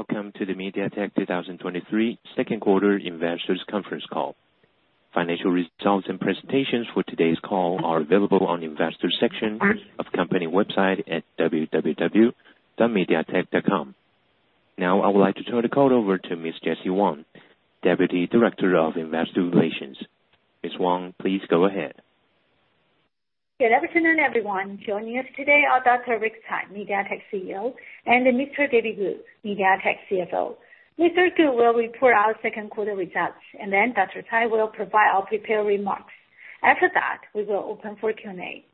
Welcome to the MediaTek 2023 second quarter investors conference call. Financial results and presentations for today's call are available on the investors section of company website at www.mediatek.com. Now, I would like to turn the call over to Ms. Jessie Wang, Deputy Director of Investor Relations. Ms. Wang, please go ahead. Good afternoon, everyone. Joining us today are Dr. Rick Tsai, MediaTek CEO, and Mr. David Ku, MediaTek CFO. Mr. Ku will report our second quarter results, and then Dr. Tsai will provide our prepared remarks. After that, we will open for Q&A.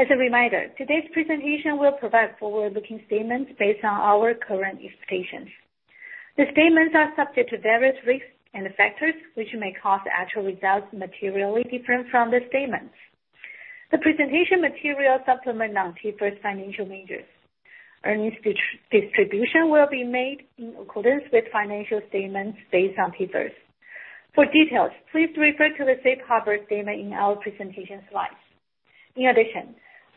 As a reminder, today's presentation will provide forward-looking statements based on our current expectations. The statements are subject to various risks and factors, which may cause the actual results materially different from the statements. The presentation material supplement non-GAAP financial measures. Earnings distribution will be made in accordance with financial statements based on GAAP. For details, please refer to the safe harbor statement in our presentation slides. In addition,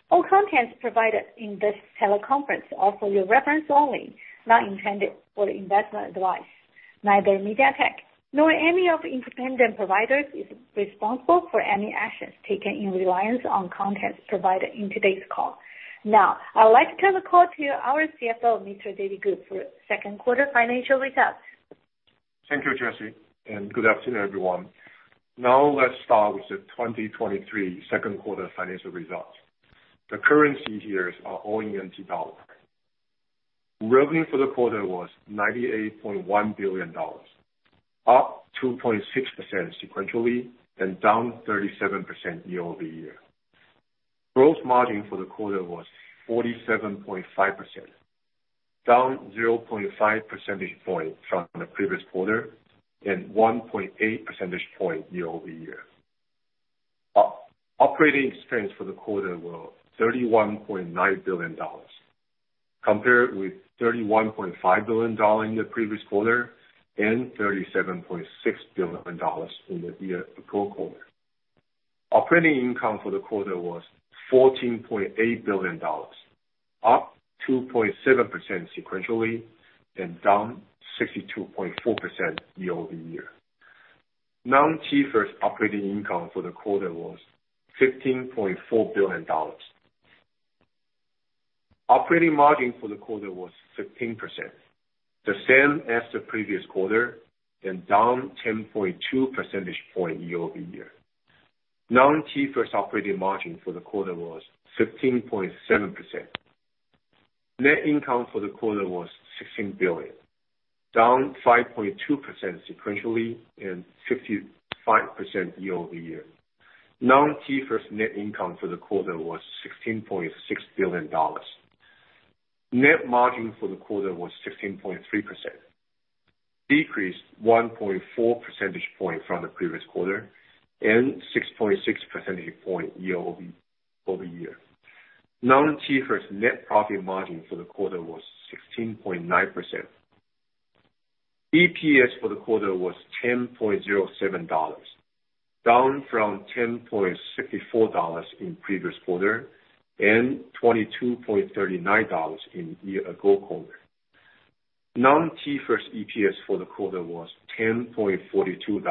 all content provided in this teleconference are for your reference only, not intended for investment advice. Neither MediaTek nor any of independent providers is responsible for any actions taken in reliance on content provided in today's call. Now, I would like to turn the call to our CFO, Mr. David Ku, for second quarter financial results. Thank you, Jessie. Good afternoon, everyone. Now let's start with the 2023 second quarter financial results. The currency here are all in US dollar. Revenue for the quarter was $98.1 billion, up 2.6% sequentially and down 37% year-over-year. Gross margin for the quarter was 47.5%, down 0.5 percentage point from the previous quarter and 1.8 percentage point year-over-year. Operating expense for the quarter were $31.9 billion, compared with $31.5 billion in the previous quarter and $37.6 billion in the year ago quarter. Operating income for the quarter was $14.8 billion, up 2.7% sequentially and down 62.4% year-over-year. Non-GAAP operating income for the quarter was $15.4 billion. Operating margin for the quarter was 15%, the same as the previous quarter and down 10.2 percentage point year-over-year. Non-GAAP operating margin for the quarter was 15.7%. Net income for the quarter was $16 billion, down 5.2% sequentially and 55% year-over-year. Non-GAAP net income for the quarter was $16.6 billion. Net margin for the quarter was 16.3%, decreased 1.4 percentage point from the previous quarter and 6.6 percentage point year over, over year. Non-GAAP net profit margin for the quarter was 16.9%. EPS for the quarter was $10.07, down from $10.64 in previous quarter and $22.39 in year-ago quarter. Non-GAAP EPS for the quarter was $10.42.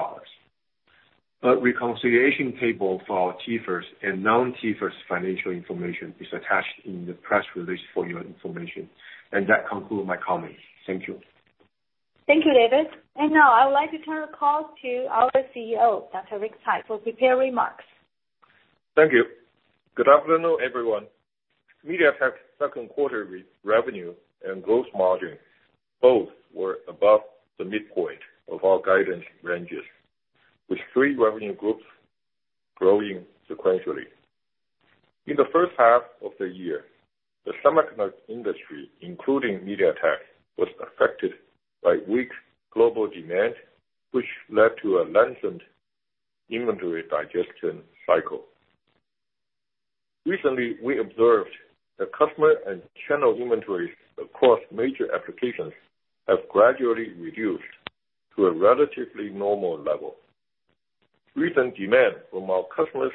A reconciliation table for GAAP and non-GAAP financial information is attached in the press release for your information. That concludes my comments. Thank you. Thank you, David. Now I would like to turn the call to our CEO, Dr. Rick Tsai, for prepared remarks. Thank you. Good afternoon, everyone. MediaTek's second quarter revenue and gross margin both were above the midpoint of our guidance ranges, with three revenue groups growing sequentially. In the first half of the year, the semiconductor industry, including MediaTek, was affected by weak global demand, which led to a lengthened inventory digestion cycle. Recently, we observed that customer and channel inventories across major applications have gradually reduced to a relatively normal level. Recent demand from our customers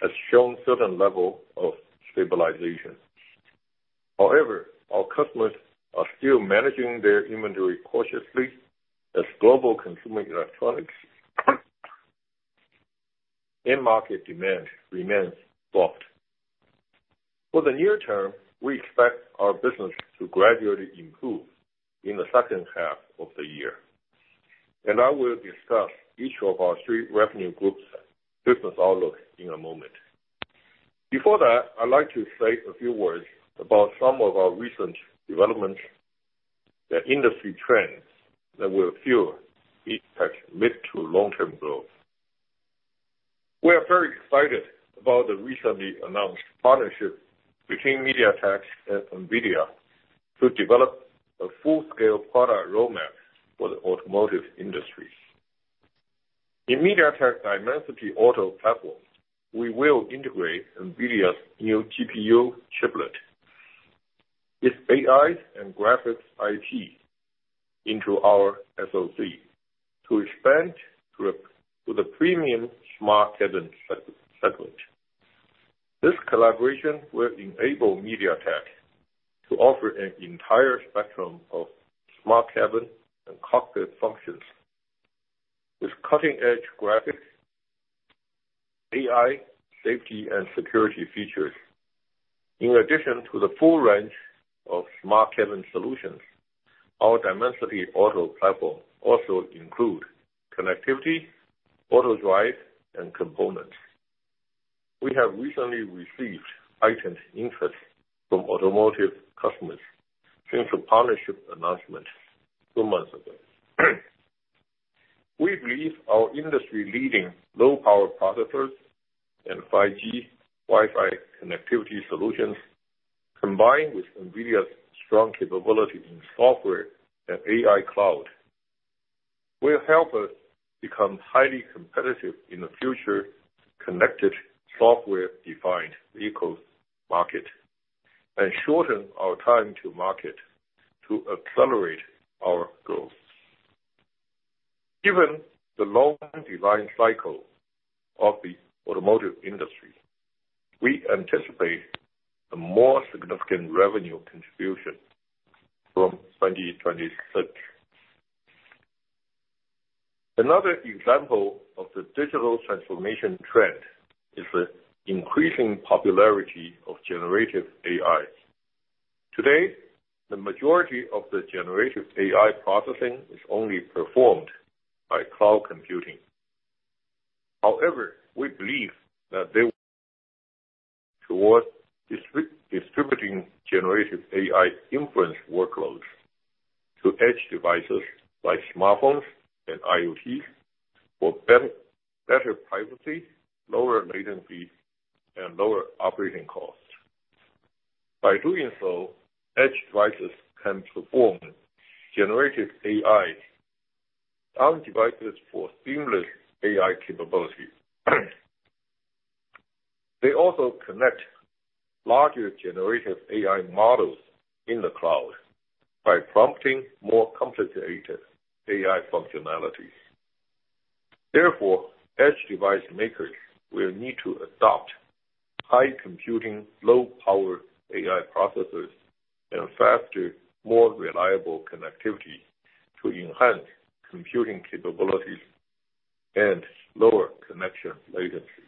has shown certain level of stabilization. However, our customers are still managing their inventory cautiously as global consumer electronics end market demand remains soft. For the near term, we expect our business to gradually improve in the second half of the year, and I will discuss each of our three revenue groups' business outlook in a moment. Before that, I'd like to say a few words about some of our recent developments and industry trends that will fuel MediaTek's mid to long-term growth. We are very excited about the recently announced partnership between MediaTek and NVIDIA to develop a full-scale product roadmap for the automotive industry. In MediaTek Dimensity Auto platform, we will integrate NVIDIA's new GPU chiplet with AI and graphics IP into our SoC to expand to the premium smart cabin segment. This collaboration will enable MediaTek to offer an entire spectrum of smart cabin and cockpit functions. With cutting-edge graphics, AI, safety, and security features. In addition to the full range of smart cabin solutions, our Dimensity Auto platform also include connectivity, auto drive, and components. We have recently received heightened interest from automotive customers since the partnership announcement two months ago. We believe our industry-leading low-power processors and 5G Wi-Fi connectivity solutions, combined with NVIDIA's strong capability in software and AI cloud, will help us become highly competitive in the future connected, software-defined vehicles market and shorten our time to market to accelerate our growth. Given the long design cycle of the automotive industry, we anticipate a more significant revenue contribution from 2023. Another example of the digital transformation trend is the increasing popularity of generative AI. Today, the majority of the generative AI processing is only performed by cloud computing. We believe that they towards distributing generative AI inference workloads to edge devices like smartphones and IoT for better privacy, lower latency, and lower operating costs. By doing so, edge devices can perform generative AI on devices for seamless AI capability. They also connect larger generative AI models in the cloud by prompting more complicated AI functionalities. Edge device makers will need to adopt high computing, low power AI processors, and faster, more reliable connectivity to enhance computing capabilities and lower connection latency.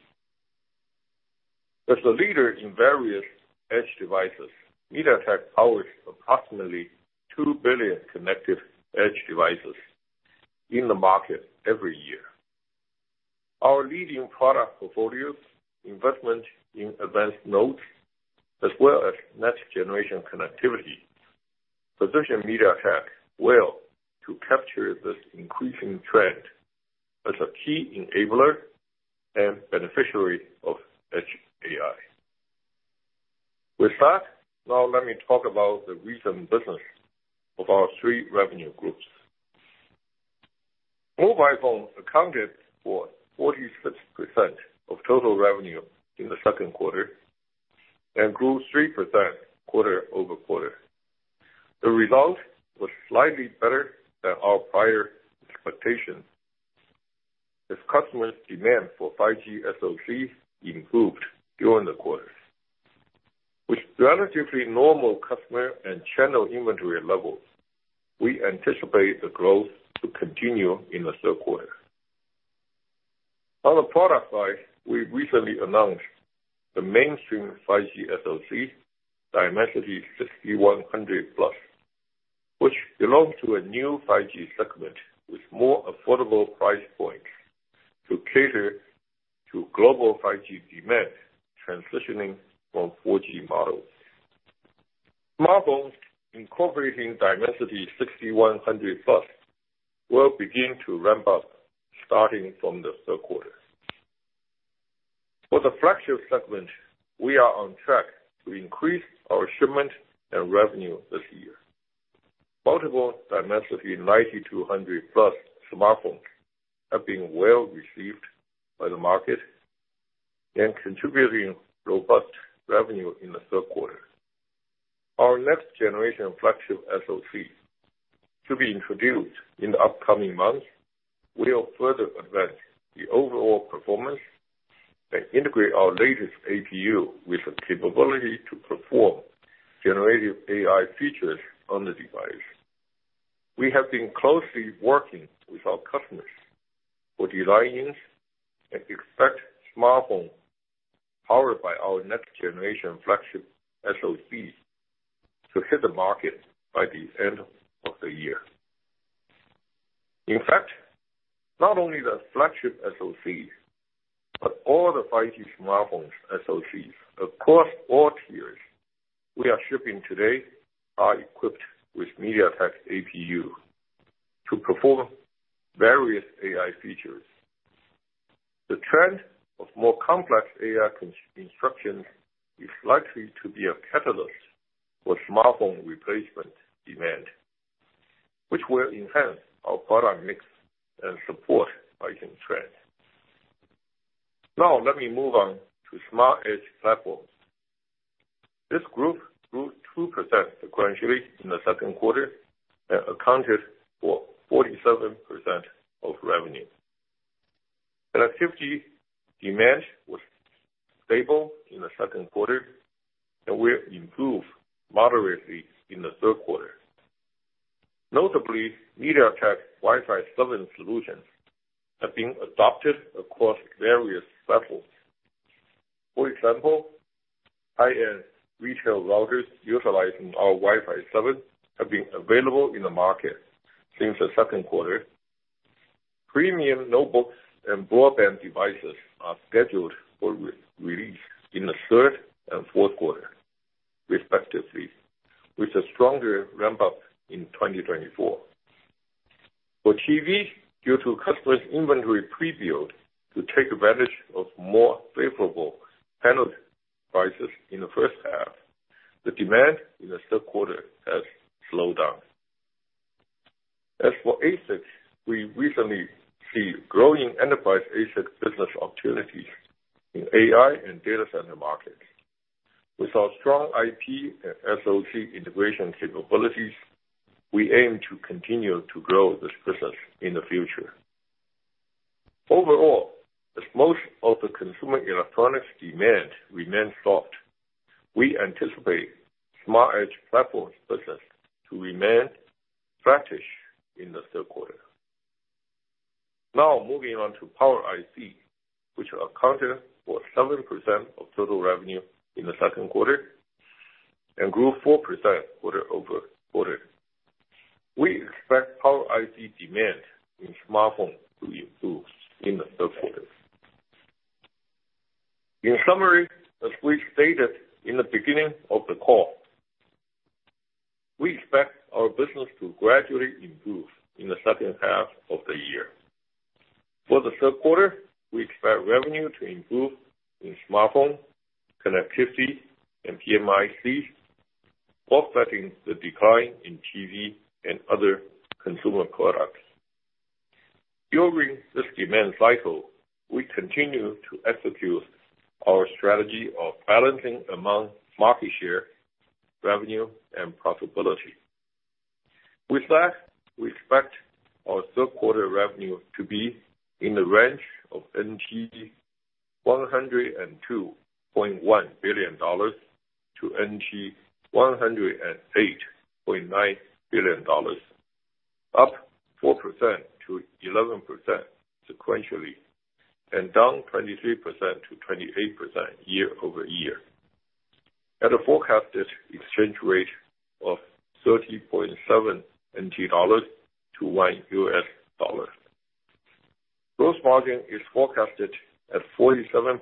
As a leader in various edge devices, MediaTek powers approximately two billion connected edge devices in the market every year. Our leading product portfolios, investment in advanced nodes, as well as next generation connectivity, position MediaTek well to capture this increasing trend as a key enabler and beneficiary of edge AI. With that, now let me talk about the recent business of our three revenue groups. Mobile phones accounted for 46% of total revenue in the second quarter and grew 3% quarter-over-quarter. The result was slightly better than our prior expectations, as customers' demand for 5G SoC improved during the quarter. With relatively normal customer and channel inventory levels, we anticipate the growth to continue in the third quarter. On the product side, we recently announced the mainstream 5G SoC Dimensity 6100+, which belongs to a new 5G segment with more affordable price point to cater to global 5G demand, transitioning from 4G models. Smartphones incorporating Dimensity 6100+ will begin to ramp up, starting from the third quarter. For the flagship segment, we are on track to increase our shipment and revenue this year. Multiple Dimensity 9200+ smartphones have been well received by the market and contributing robust revenue in the third quarter. Our next generation flagship SoC, to be introduced in the upcoming months, will further advance the overall performance and integrate our latest APU with the capability to perform generative AI features on the device. We have been closely working with our customers for design-ins and expect smartphone, powered by our next generation flagship SoCs, to hit the market by the end of the year. In fact, not only the flagship SoC, but all the 5G smartphones SoCs across all tiers we are shipping today are equipped with MediaTek's APU to perform various AI features. The trend of more complex AI instructions is likely to be a catalyst for smartphone replacement demand, which will enhance our product mix and support rising trends. Now let me move on to Smart Edge Platforms. This group grew 2% sequentially in the second quarter and accounted for 47% of revenue. Connectivity demand was stable in the second quarter and will improve moderately in the third quarter. Notably, MediaTek's Wi-Fi 7 solutions have been adopted across various platforms. For example, high-end retail routers utilizing our Wi-Fi 7 have been available in the market since the second quarter. Premium notebooks and broadband devices are scheduled for re-release in the third and fourth quarter, respectively, with a stronger ramp-up in 2024. For TV, due to customers' inventory preview to take advantage of more favorable panel prices in the first half, the demand in the third quarter has slowed down. As for ASICs, we recently see growing enterprise ASIC business opportunities in AI and data center markets. With our strong IP and SoC integration capabilities, we aim to continue to grow this business in the future. Overall, as most of the consumer electronics demand remains soft, we anticipate Smart Edge Platforms business to remain flattish in the third quarter. Now, moving on to Power IC, which accounted for 7% of total revenue in the second quarter and grew 4% quarter-over-quarter. We expect Power IC demand in smartphone to improve in the third quarter. In summary, as we stated in the beginning of the call, we expect our business to gradually improve in the second half of the year. For the third quarter, we expect revenue to improve in smartphone, connectivity, and PMICs, offsetting the decline in TV and other consumer products. During this demand cycle, we continue to execute our strategy of balancing among market share, revenue, and profitability. With that, we expect our third quarter revenue to be in the range of NT 102.1 billion-NT 108.9 billion, up 4%-11% sequentially, and down 23%-28% year-over-year, at a forecasted exchange rate of 30.7 NT dollars to 1 US dollar. Gross margin is forecasted at 47%,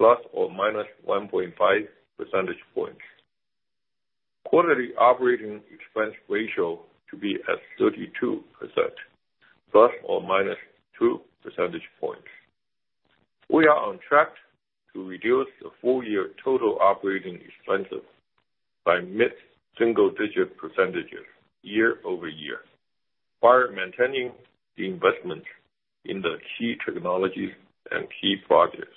±1.5 percentage points. Quarterly operating expense ratio to be at 32%, ±2 percentage points. We are on track to reduce the full year total operating expenses by mid-single digit % year-over-year, while maintaining the investment in the key technologies and key projects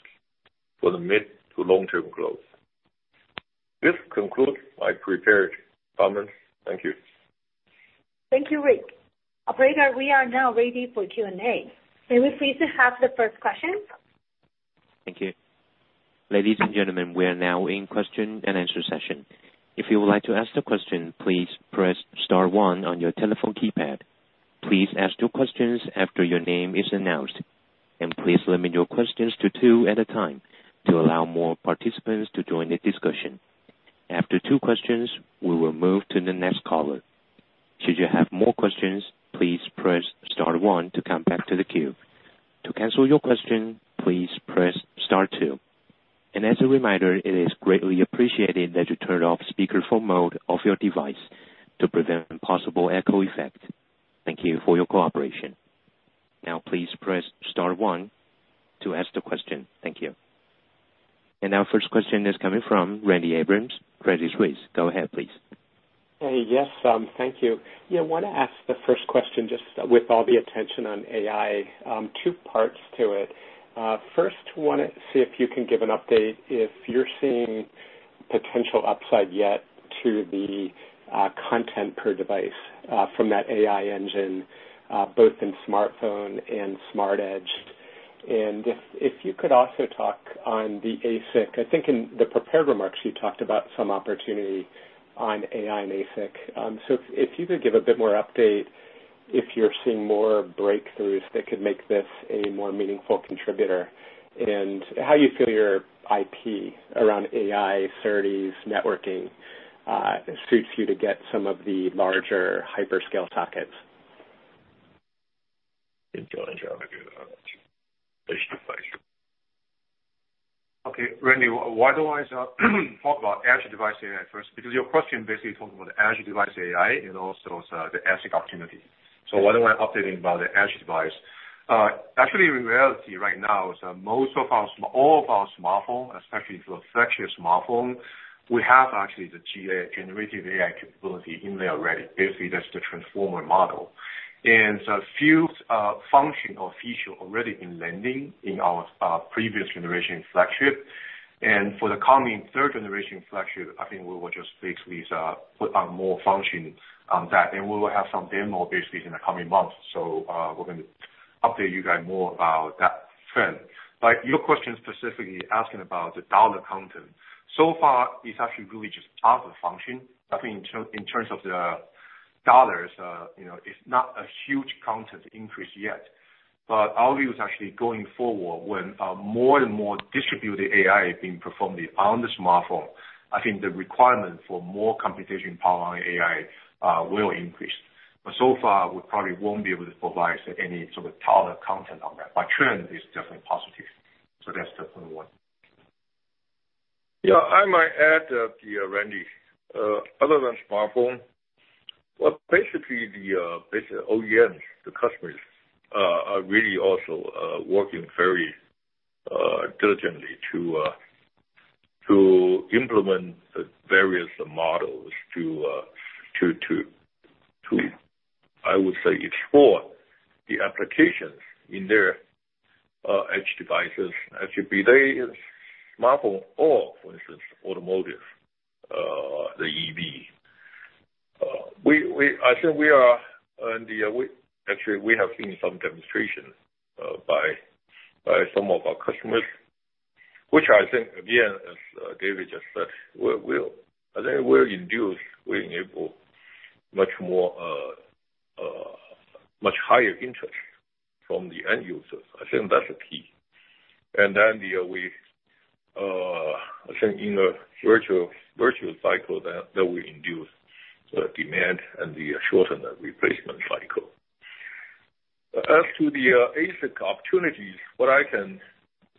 for the mid-to-long-term growth. This concludes my prepared comments. Thank you. Thank you, Rick. Operator, we are now ready for Q&A. May we please have the first question? Thank you. Ladies and gentlemen, we are now in question and answer session. If you would like to ask the question, please press star one on your telephone keypad. Please ask your questions after your name is announced. Please limit your questions to 2 at a time to allow more participants to join the discussion. After 2 questions, we will move to the next caller. Should you have more questions, please press star one to come back to the queue. To cancel your question, please press star two. As a reminder, it is greatly appreciated that you turn off speakerphone mode of your device to prevent possible echo effect. Thank you for your cooperation. Now, please press star one to ask the question. Thank you. Our first question is coming from Randy Abrams, Credit Suisse. Go ahead, please. Hey, yes, thank you. Yeah, I want to ask the first question, just with all the attention on AI, two parts to it. First, want to see if you can give an update, if you're seeing potential upside yet to the content per device, from that AI engine, both in smartphone and smart edge. And if, if you could also talk on the ASIC. I think in the prepared remarks, you talked about some opportunity on AI and ASIC. If, if you could give a bit more update, if you're seeing more breakthroughs that could make this a more meaningful contributor, and how you feel your IP around AI, SerDes, networking, suits you to get some of the larger hyperscale sockets? You go ahead, Joe. Okay, Randy, why don't I talk about edge device AI first? Because your question basically talking about edge device AI and also, the ASIC opportunity. What am I updating about the edge device? Actually, in reality, right now, all of our smartphone, especially the flagship smartphone, we have actually the GA, Generative AI capability in there already. Basically, that's the transformer model. ... and so a few function or feature already in landing in our previous generation flagship. For the coming third generation flagship, I think we will just fix these, put on more functions on that, and we will have some demo basically in the coming months. We're going to update you guys more about that trend. Your question specifically asking about the dollar content. So far, it's actually really just part of the function. I think in terms of the dollars, you know, it's not a huge content increase yet. Our view is actually going forward when more and more distributed AI is being performed on the smartphone, I think the requirement for more computation power on AI will increase. So far, we probably won't be able to provide any sort of taller content on that, but trend is definitely positive. That's definitely one. Yeah, I might add to Randy. Other than smartphone, well, basically, the basic OEMs, the customers, are really also working very diligently to to implement the various models to to, to, to, I would say, explore the applications in their edge devices, actually be they smartphone or, for instance, automotive, the EV. We, we- I think we are on the we-- actually, we have seen some demonstrations by, by some of our customers, which I think, again, as David just said, we, we'll, I think we'll induce, we enable much more, much higher interest from the end users. I think that's the key. Yeah, we, I think in a virtual, virtual cycle, that, that will induce the demand and the shorten the replacement cycle. As to the ASIC opportunities, what I can,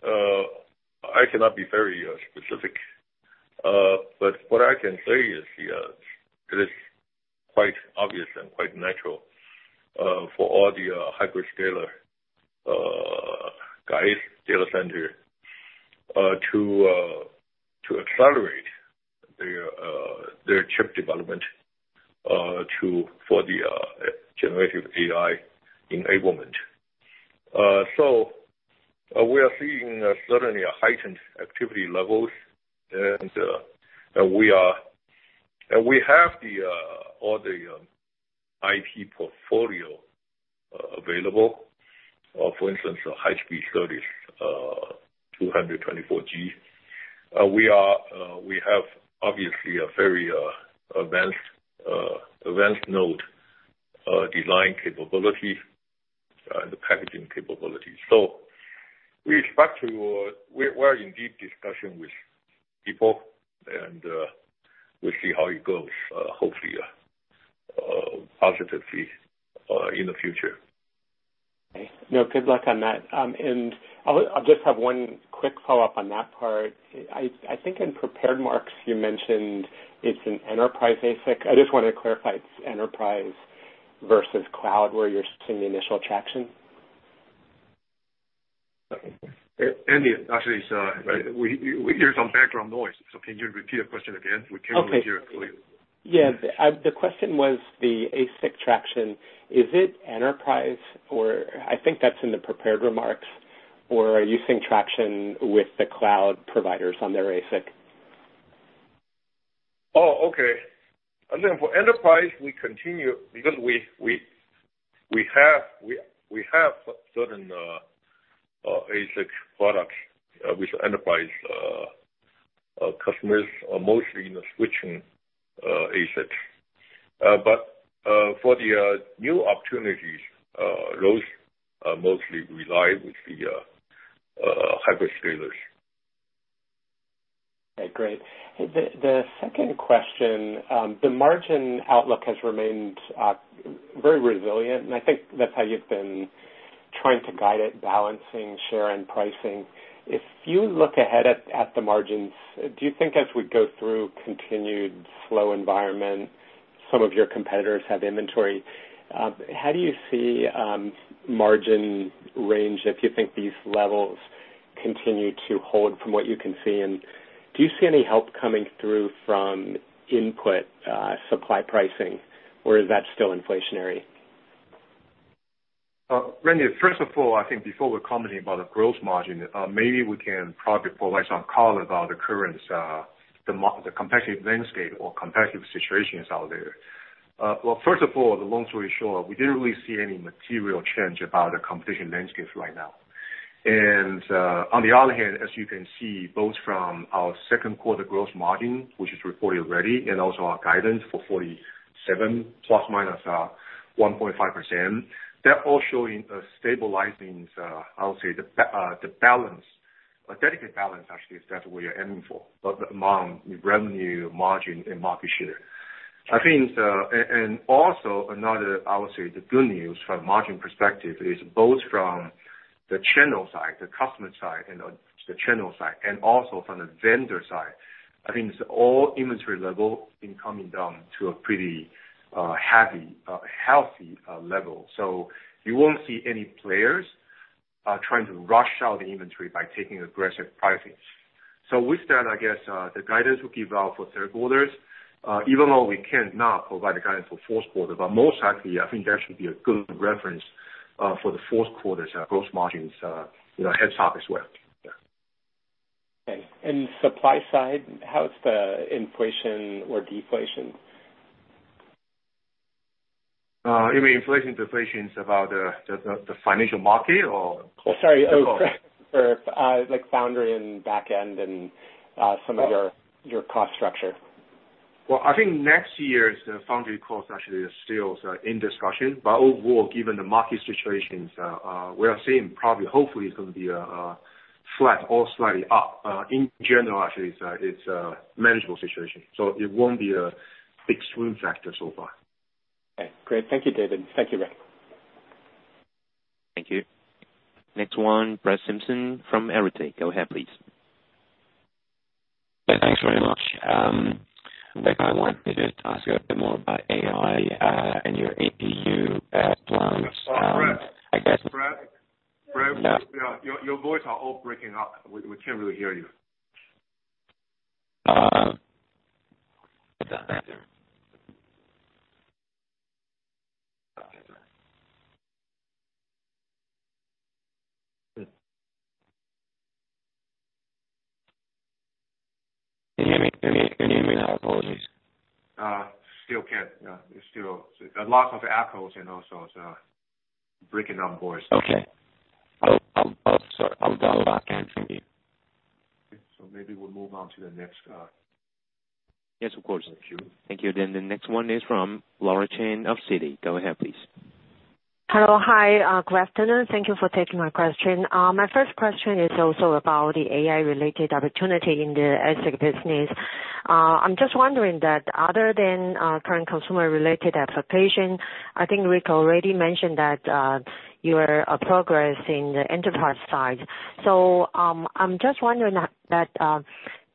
I cannot be very specific. What I can say is, it is quite obvious and quite natural for all the hyperscaler guys, data center, to to accelerate their their chip development to for the generative AI enablement. We are seeing certainly a heightened activity levels. And we have the all the IP portfolio available. For instance, the high-speed SerDes, 224G. We are, we have obviously a very advanced advanced node design capability, and the packaging capability. We expect to, we're in deep discussion with people, and we'll see how it goes, hopefully, positively, in the future. Okay. No, good luck on that. I'll, I'll just have one quick follow-up on that part. I, I think in prepared marks, you mentioned it's an enterprise ASIC. I just wanted to clarify it's enterprise versus cloud, where you're seeing the initial traction? Randy, actually, so we, we hear some background noise, so can you repeat the question again? We can't hear clearly. Yeah. The, the question was the ASIC traction. Is it enterprise or I think that's in the prepared remarks, or are you seeing traction with the cloud providers on their ASIC? Oh, okay. I think for enterprise, we continue because we have certain ASIC products with enterprise customers are mostly in the switching ASICs. For the new opportunities, those mostly rely with the hyperscalers. Okay, great. The, the second question, the margin outlook has remained very resilient, and I think that's how you've been trying to guide it, balancing share and pricing. If you look ahead at, at the margins, do you think as we go through continued slow environment, some of your competitors have inventory, how do you see margin range, if you think these levels continue to hold from what you can see? And do you see any help coming through from input, supply pricing, or is that still inflationary? Randy, first of all, I think before we comment about the growth margin, maybe we can probably provide some color about the current, the competitive landscape or competitive situations out there. Well, first of all, the long story short, we didn't really see any material change about the competition landscape right now. On the other hand, as you can see, both from our second quarter growth margin, which is reported already, and also our guidance for 47% ± 1.5%, they're all showing a stabilizing, I would say, the balance, a dedicated balance, actually, is that we are aiming for, but among revenue, margin, and market share. I think, and also another, I would say, the good news from margin perspective is both from the channel side, the customer side, and the channel side, and also from the vendor side. I think it's all inventory level incoming down to a pretty, heavy, healthy level. You won't see any players trying to rush out the inventory by taking aggressive pricing. With that, I guess, the guidance we give out for third quarters, even though we cannot provide a guidance for fourth quarter, but most likely, I think that should be a good reference, for the fourth quarter's, gross margins, you know, head start as well. Yeah. Okay. Supply side, how is the inflation or deflation? You mean inflation, deflations about the, the, the financial market or? Sorry. Like foundry and back end and, some of your, your cost structure. Well, I think next year's foundry cost actually is still in discussion, but overall, given the market situations, we are seeing probably, hopefully it's going to be flat or slightly up. In general, actually it's a, it's a manageable situation, so it won't be a extreme factor so far. Okay. Great. Thank you, David. Thank you, Rick. Thank you. Next one, Brett Simpson from Arete Research. Go ahead, please. Thanks very much. Rick, I want to just ask you a bit more about AI and your APU plans. Brett, Brett, Brett, your, your voice are all breaking up. We, we can't really hear you. Can you hear me? Can you hear me now? Apologies. Still can't. Yeah, it's still a lot of echoes and also it's breaking up voice. Okay. I'll, I'll, I'll, sorry. I'll dial back and try again. Maybe we'll move on to the next. Yes, of course. Thank you. Thank you. The next one is from Laura Chen of Citi. Go ahead, please. Hello. Hi, good afternoon. Thank you for taking my question. My first question is also about the AI-related opportunity in the ASIC business. I'm just wondering that other than current consumer-related application, I think Rick already mentioned that you are progress in the enterprise side. I'm just wondering that,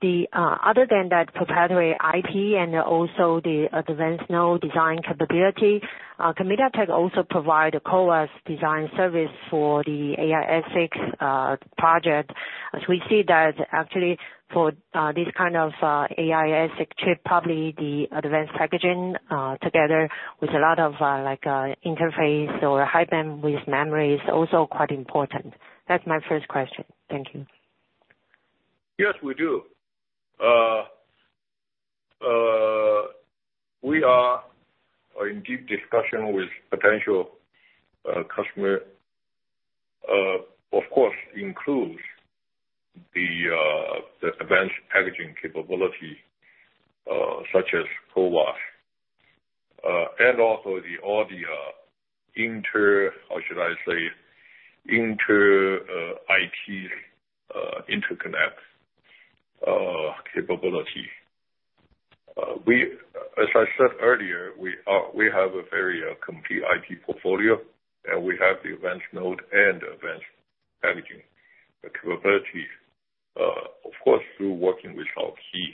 that, other than that proprietary IP and also the advanced node design capability, can MediaTek also provide a CoWoS design service for the ASIC project? As we see that actually for this kind of ASIC chip, probably the advanced packaging, together with a lot of like interface or high bandwidth memory is also quite important. That's my first question. Thank you. Yes, we do. We are in deep discussion with potential customer, of course, includes the advanced packaging capability, such as CoWoS, and also the all the inter. How should I say? Inter, IT, interconnect, capability. We, as I said earlier, we have a very complete IP portfolio, and we have the advanced node and advanced packaging capabilities, of course, through working with our key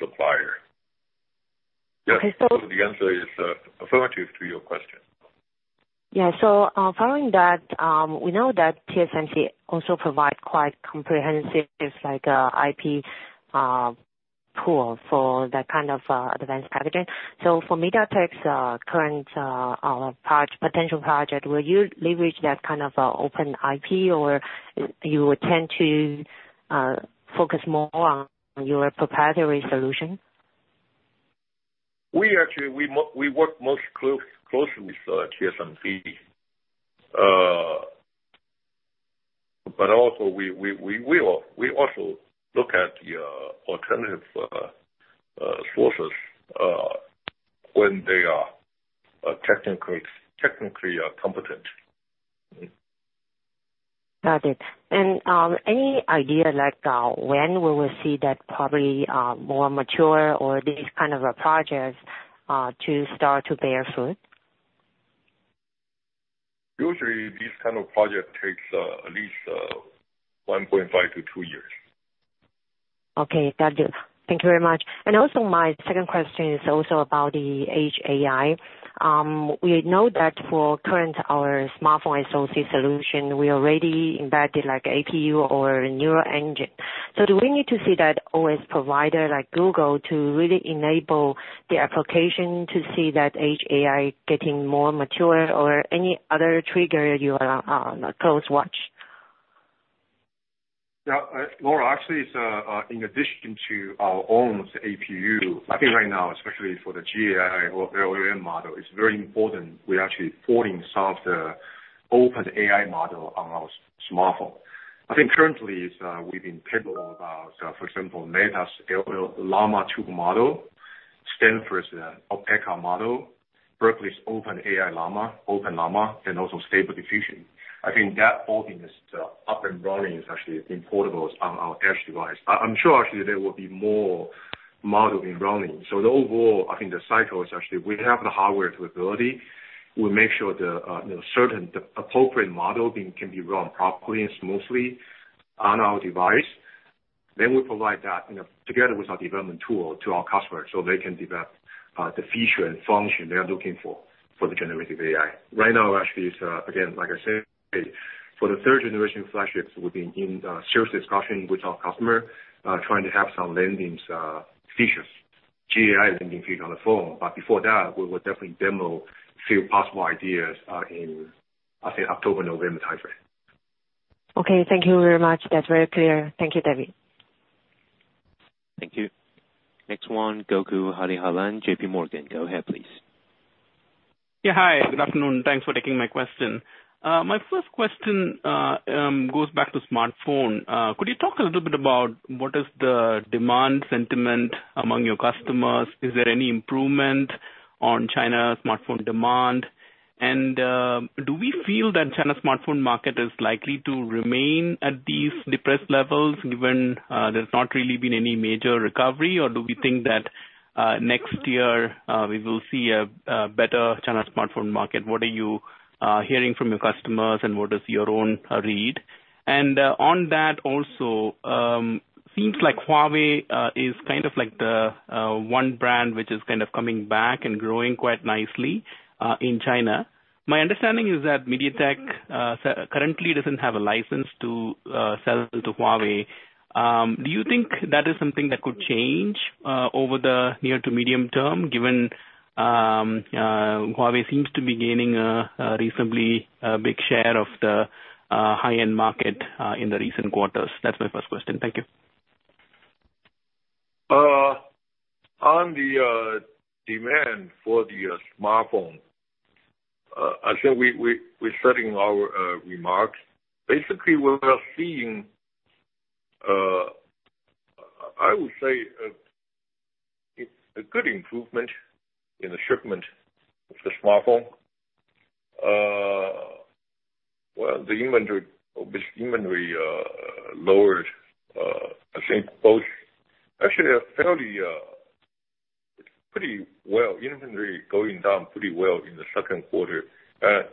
supplier. Okay. The answer is affirmative to your question. Yeah. Following that, we know that TSMC also provide quite comprehensive, like, IP pool for that kind of advanced packaging. For MediaTek's current project, potential project, will you leverage that kind of open IP, or you would tend to focus more on your proprietary solution? We actually, we work most close with TSMC. But also we will also look at the alternative sources when they are technically competent. Got it. Any idea, like, when we will see that probably, more mature or these kind of projects, to start to bear fruit? Usually, this kind of project takes, at least, 1.5-2 years. Okay. Got it. Thank you very much. Also my second question is also about the edge AI. We know that for current, our smartphone SoC solution, we already embedded like APU or neural engine. Do we need to see that OS provider, like Google, to really enable the application to see that edge AI getting more mature or any other trigger you are close watch? Yeah, Laura, actually, it's in addition to our own APU, I think right now, especially for the GAI or LLM model, it's very important we're actually porting some of the OpenAI model on our smartphone. I think currently it's we've been capable of, for example, Meta's Llama 2 model, Stanford's Alpaca model, Berkeley's OpenLLaMA, and also Stable Diffusion. I think that all is up and running, is actually being portable on our edge device. I, I'm sure actually there will be more model in running. The overall, I think the cycle is actually, we have the hardware capability. We make sure the, you know, certain appropriate model can be run properly and smoothly on our device. We provide that, you know, together with our development tool to our customers, so they can develop, the feature and function they are looking for, for the generative AI. Right now, actually, it's again, like I said, for the third generation flagships, we've been in serious discussion with our customer, trying to have some landing features, GenAI landing feature on the phone. Before that, we will definitely demo few possible ideas in, I think, October, November timeframe. Okay, thank you very much. That's very clear. Thank you, David. Thank you. Next one, Gokul Hariharan, JPMorgan. Go ahead, please. Yeah, hi. Good afternoon. Thanks for taking my question. My first question goes back to smartphone. Could you talk a little bit about what is the demand sentiment among your customers? Is there any improvement on China smartphone demand? Do we feel that China smartphone market is likely to remain at these depressed levels, given there's not really been any major recovery? Do we think that next year we will see a better China smartphone market? What are you hearing from your customers, and what is your own read? On that also, seems like Huawei is kind of like the one brand which is kind of coming back and growing quite nicely in China. My understanding is that MediaTek currently doesn't have a license to sell to Huawei. Do you think that is something that could change over the near to medium term, given Huawei seems to be gaining a recently, a big share of the high-end market in the recent quarters? That's my first question. Thank you. On the demand for the smartphone, I said we, we, we're starting our remarks. Basically, we're seeing, I would say, it's a good improvement in the shipment of the smartphone. Well, the inventory, inventory, lowered, I think both, actually, a fairly pretty well, inventory going down pretty well in the second quarter.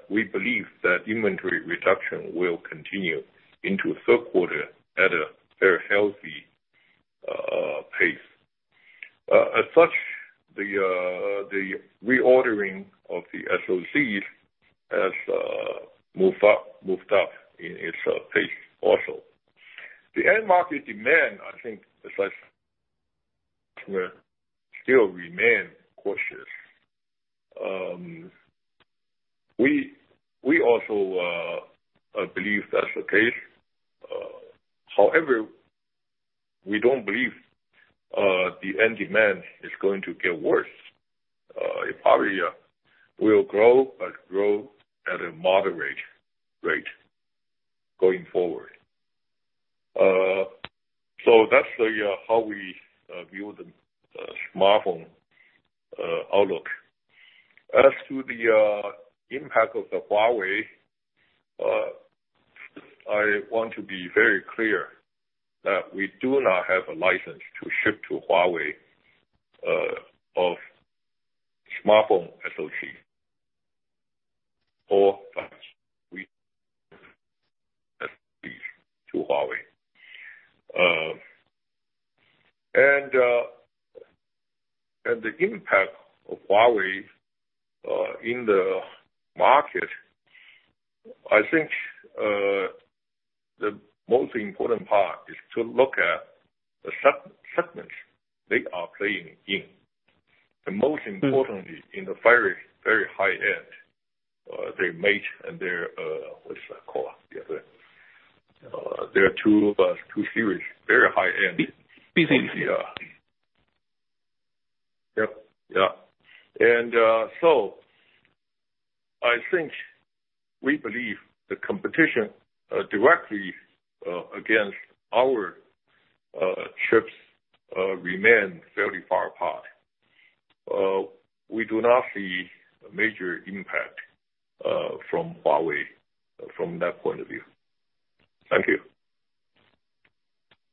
We believe that inventory reduction will continue into third quarter at a very healthy pace. As such, the the reordering of the SoCs has moved up, moved up in its pace also. The end market demand, I think, as I where still remain cautious. We, we also believe that's the case. However, we don't believe the end demand is going to get worse. It probably will grow, but grow at a moderate rate going forward. That's the how we view the the smartphone outlook. As to the impact of the Huawei, I want to be very clear that we do not have a license to ship to Huawei of smartphone SoC or flash we SoC to Huawei. And the impact of Huawei in the market, I think, the most important part is to look at the segments they are playing in. The most importantly, in the very, very high end, their Mate and their, what's it called? There are two of us, two series, very high-end. P40. Yeah. Yeah. So I think we believe the competition directly against our chips remain fairly far apart. We do not see a major impact from Huawei from that point of view. Thank you.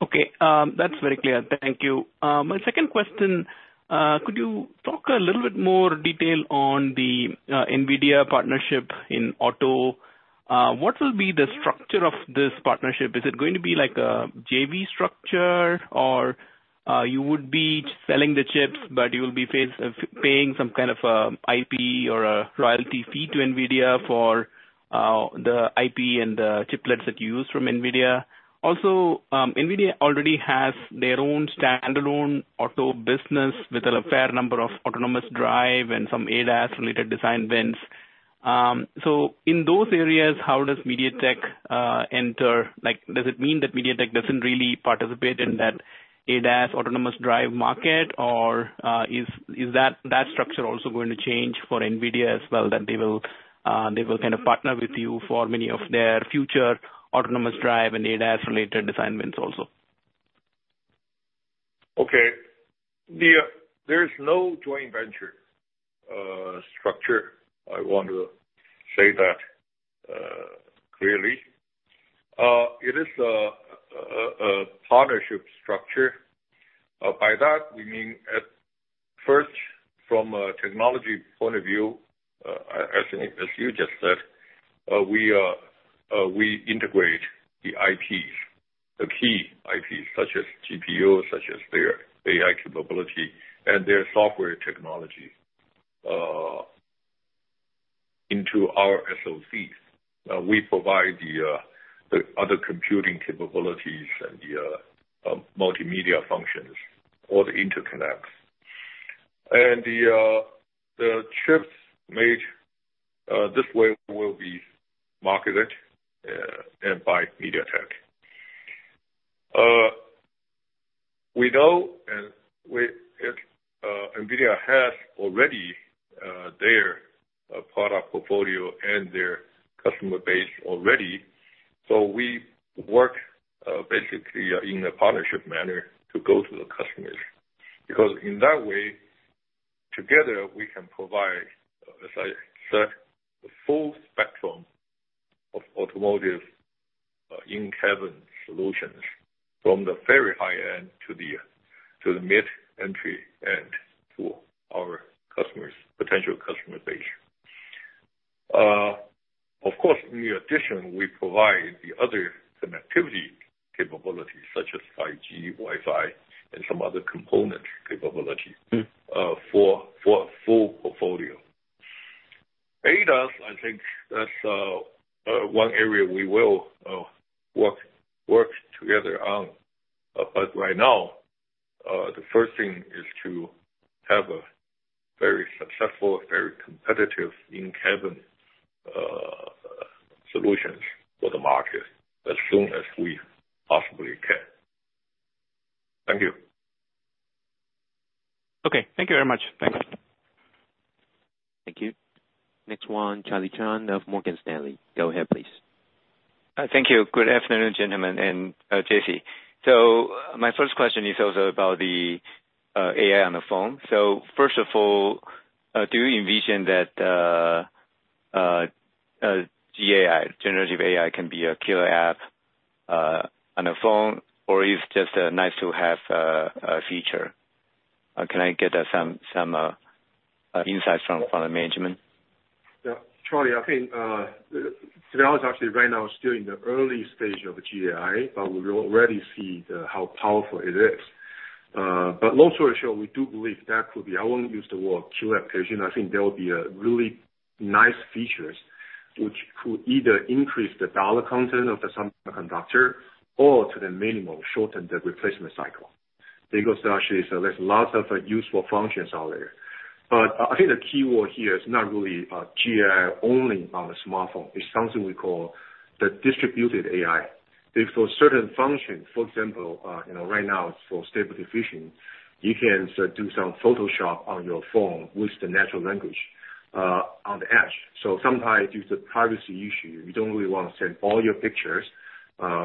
Okay. That's very clear. Thank you. My second question, could you talk a little bit more detail on the NVIDIA partnership in auto? What will be the structure of this partnership? Is it going to be like a JV structure, or you would be selling the chips, but you will be face, paying some kind of IP or a royalty fee to NVIDIA for the IP and the chiplets that you use from NVIDIA? NVIDIA already has their own standalone auto business with a fair number of autonomous drive and some ADAS-related design wins. In those areas, how does MediaTek enter? Like, does it mean that MediaTek doesn't really participate in that ADAS autonomous drive market, or, is that structure also going to change for NVIDIA as well, that they will, they will kind of partner with you for many of their future autonomous drive and ADAS-related design wins also? Okay. There is no joint venture structure. I want to say that clearly. It is a partnership structure. By that we mean at first from a technology point of view, as you just said, we integrate the IPs, the key IPs, such as GPU, such as their AI capability and their software technology, into our SoCs. We provide the other computing capabilities and the multimedia functions or the interconnects. The chips made this way will be marketed by MediaTek. We know NVIDIA has already their product portfolio and their customer base already, so we work basically in a partnership manner to go to the customers. In that way, together, we can provide, as I said, the full spectrum of automotive in-cabin solutions from the very high end to the, to the mid-entry end, to our customers, potential customer base. Of course, in addition, we provide the other connectivity capabilities such as 5G, Wi-Fi, and some other component capability for, for a full portfolio. ADAS, I think that's one area we will work, work together on. Right now, the first thing is to have a very successful, very competitive in-cabin solutions for the market as soon as we possibly can. Thank you. Okay, thank you very much. Thanks. Thank you. Next one, Charlie Chan of Morgan Stanley. Go ahead, please. Thank you. Good afternoon, gentlemen, and Jessie. My first question is also about the AI on the phone. First of all, do you envision that GAI, generative AI, can be a killer app on a phone, or is just a nice to have a feature? Can I get some, some insights from the management? Yeah, Charlie, I think, now it's actually right now still in the early stage of GAI, but we already see the how powerful it is. Long story short, we do believe that could be, I won't use the word killer application. I think there will be a really nice features which could either increase the dollar content of the semiconductor or to the minimum, shorten the replacement cycle. Because actually, there's lots of useful functions out there. I think the key word here is not really, GAI only on the smartphone. It's something we call the distributed AI. Because for certain functions, for example, you know, right now, for Stable Diffusion, you can do some Photoshop on your phone with the natural language, on the edge. Sometimes due to privacy issue, you don't really want to send all your pictures,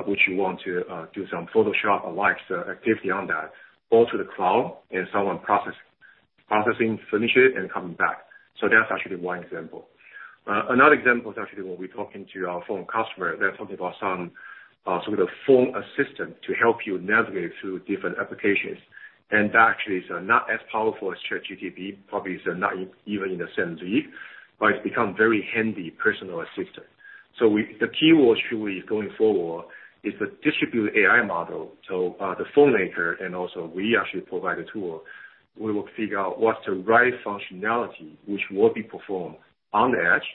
which you want to do some Photoshop or likes activity on that, all to the cloud and someone processing, finish it and come back. Another example is actually when we talking to our phone customer, they're talking about some, some of the phone assistant to help you navigate through different applications. That actually is not as powerful as ChatGPT, probably is not even in the same league, but it's become very handy personal assistant. We, the key word truly going forward is the distributed AI model. The phone maker and also we actually provide a tool. We will figure out what's the right functionality, which will be performed on the edge,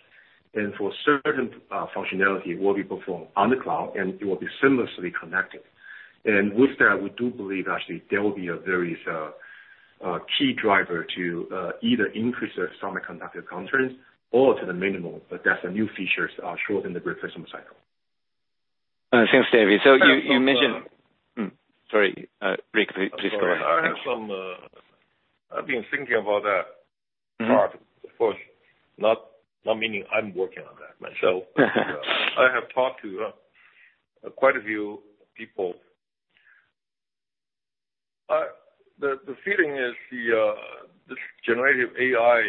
and for certain functionality will be performed on the cloud, and it will be seamlessly connected. With that, we do believe actually there will be a very key driver to either increase the semiconductor content or to the minimum, but that's a new features, shorten the replacement cycle. Thanks, David. You, you mentioned- And from the- Sorry, Rick, please go ahead. I have some, I've been thinking about that part. Mm-hmm. Of course, not, not meaning I'm working on that myself. I have talked to quite a few people. The feeling is this Generative AI,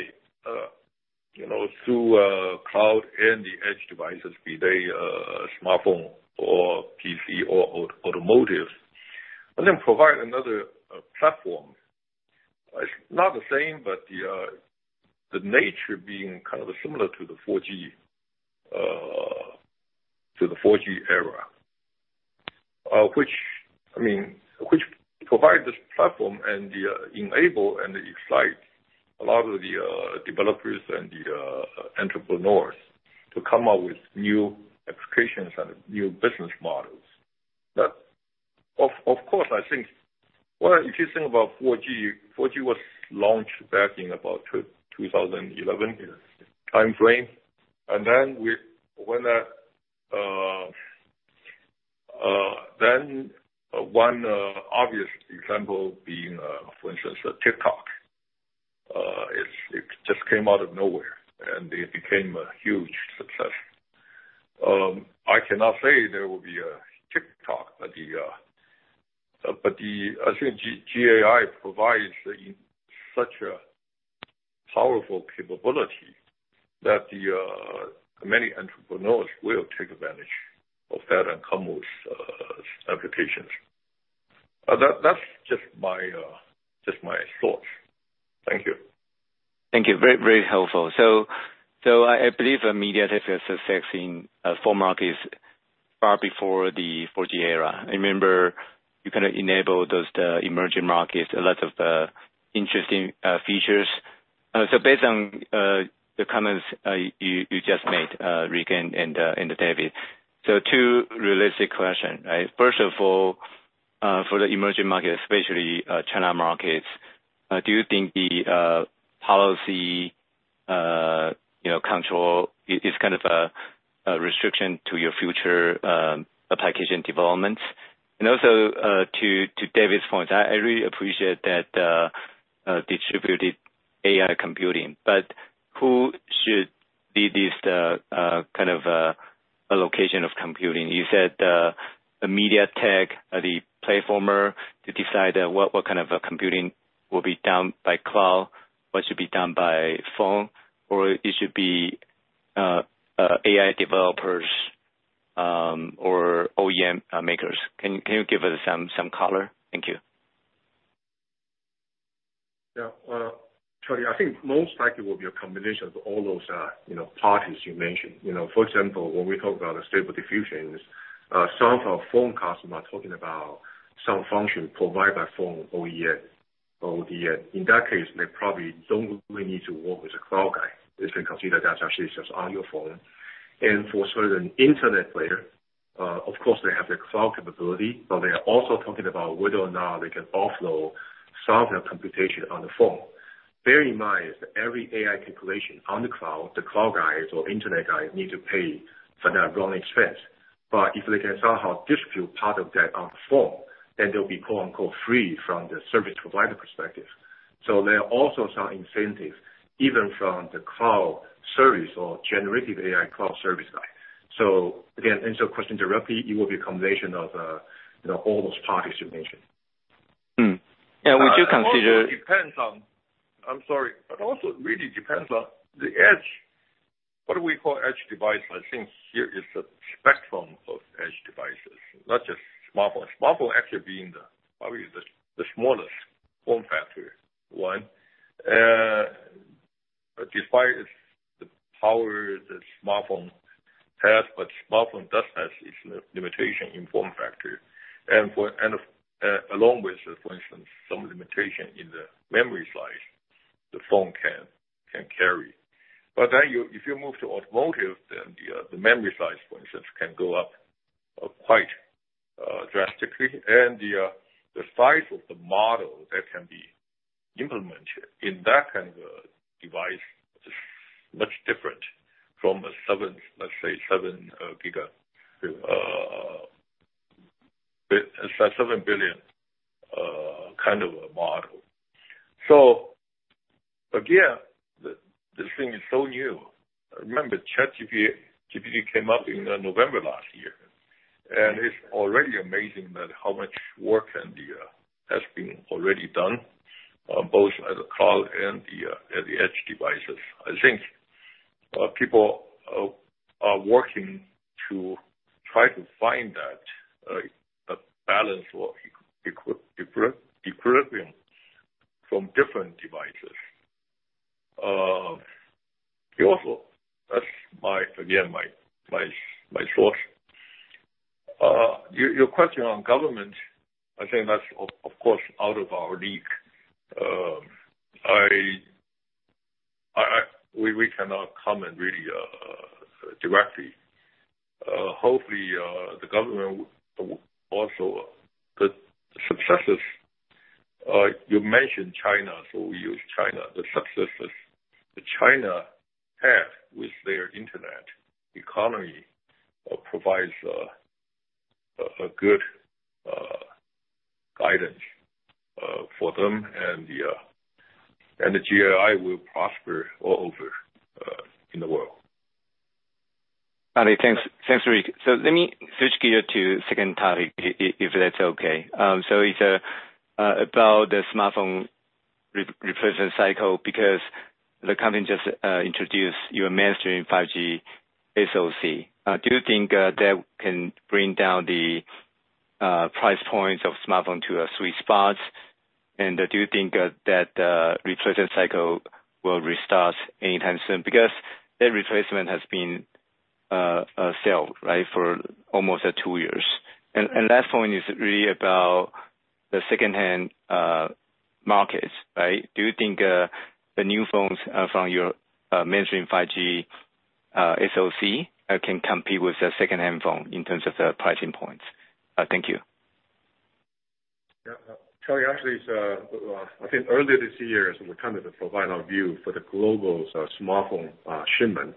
you know, through cloud and the edge devices, be they smartphone or PC or automotives, and then provide another platform. It's not the same, but the nature being kind of similar to the 4G, to the 4G era, which I mean, which provide this platform and enable and excite a lot of the developers and the entrepreneurs to come up with new applications and new business models. Of course, I think, well, if you think about 4G, 4G was launched back in about 2011 timeframe. Then we, when the, then one obvious example being, for instance, TikTok, it, it just came out of nowhere, and it became a huge success. I cannot say there will be a TikTok, but the, but the, I think GAI provides in such a powerful capability that the many entrepreneurs will take advantage of that and come with applications. That, that's just my just my thoughts. Thank you. Thank you. Very, very helpful. So I, I believe MediaTek has success in four markets far before the 4G era. I remember you kind of enabled those, the emerging markets, a lot of the interesting features. Based on the comments you just made, Rick and David, two realistic question, right? First of all, for the emerging markets, especially China markets, do you think the policy, you know, control is kind of a restriction to your future application developments? Also, to David's point, I really appreciate that distributed AI computing, but who should be this kind of a location of computing? You said, the MediaTek, the platformer, to decide, what, what kind of a computing will be done by cloud, what should be done by phone, or it should be, AI developers, or OEM, makers. Can, can you give us some, some color? Thank you. Yeah. Charlie, I think most likely will be a combination of all those, you know, parties you mentioned. You know, for example, when we talk about Stable Diffusion, some of our phone customers are talking about some function provided by phone OEM. The, in that case, they probably don't really need to work with the cloud guy, if you consider that's actually just on your phone. For sort of an internet player, of course, they have the cloud capability, but they are also talking about whether or not they can offload some of the computation on the phone. Bear in mind, every AI calculation on the cloud, the cloud guys or internet guys need to pay for that running expense. If they can somehow distribute part of that on the phone, then they'll be, quote, unquote, "free" from the service provider perspective. There are also some incentives, even from the cloud service or Generative AI cloud service guy. Again, answer your question directly, it will be a combination of, you know, all those parties you mentioned. Yeah, we do consider.... I'm sorry. But also it really depends on the edge. What do we call edge device? I think here is a spectrum of edge devices, not just smartphone. Smartphone actually being the, probably the, the smallest form factor one. But despite its, the power the smartphone has, but smartphone does have its limitation in form factor. And for, and, along with, for instance, some limitation in the memory size, the phone can, can carry. But then you, if you move to automotive, then the memory size, for instance, can go up quite drastically. And the size of the model that can be implemented in that kind of a device is much different from a 7, let's say, 7 giga, 7 billion kind of a model. So again, this thing is so new. Remember, ChatGPT came up in November last year, and it's already amazing that how much work and the has been already done both at the cloud and the at the edge devices. I think people are working to try to find that a balance or equilibrium from different devices. It also, that's my, again, my, my, my thoughts. Your, your question on government, I think that's of, of course, out of our league. I, I, I, we, we cannot comment really directly. Hopefully, the government also the successes, you mentioned China, so we use China. The successes that China had with their internet economy provides a good guidance for them and the GAI will prosper all over in the world. Got it. Thanks. Thanks, Rick. Let me switch gear to second topic, if that's okay. It's about the smartphone replacement cycle, because the company just introduced your mainstream 5G SoC. Do you think that can bring down the price points of smartphone to a sweet spot? Do you think that replacement cycle will restart anytime soon? Because that replacement has been sell, right, for almost two years. Last point is really about the secondhand markets, right? Do you think the new phones from your mainstream 5G SoC can compete with the secondhand phone in terms of the pricing points? Thank you. Yeah. Charlie, actually, I think earlier this year, as we kind of provide our view for the global smartphone shipment,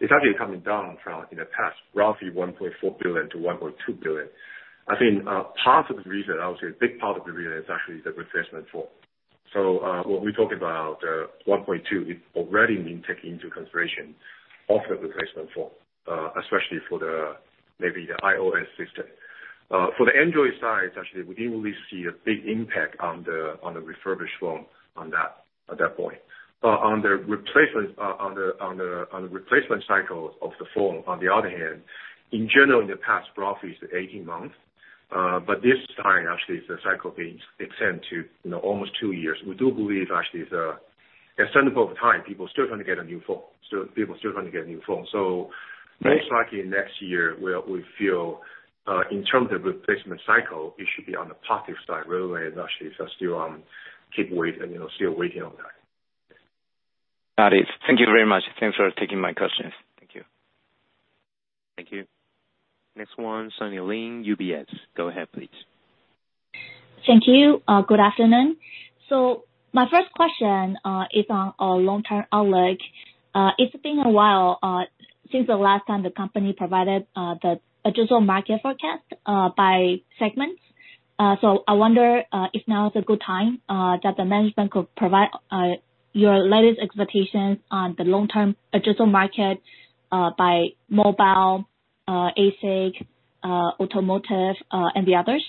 it's actually coming down from, in the past, roughly 1.4 billion to 1.2 billion. I think part of the reason, I would say a big part of the reason, is actually the replacement phone. When we talk about 1.2, it's already been taken into consideration.... offer replacement phone, especially for the, maybe the iOS system. For the Android side, actually, we didn't really see a big impact on the, on the refurbished phone on that, at that point. On the replacement cycle of the phone, on the other hand, in general, in the past, roughly is 18 months, but this time, actually, the cycle being extended to, you know, almost two years. We do believe actually, as time over time, people still going to get a new phone, so people still going to get a new phone. Most likely next year, we, we feel, in terms of replacement cycle, it should be on the positive side rather than actually just keep waiting, and, you know, still waiting on that. Got it. Thank you very much. Thanks for taking my questions. Thank you. Thank you. Next one, Sunny Lin, UBS. Go ahead, please. Thank you. Good afternoon. My first question is on a long-term outlook. It's been a while since the last time the company provided the adjustable market forecast by segments. I wonder if now is a good time that the management could provide your latest expectations on the long-term adjustable market by mobile, ASIC, automotive, and the others?